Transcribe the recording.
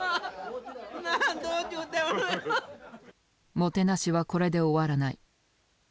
もてなしはこれで終わらない。